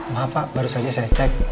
maaf pak baru saja saya cek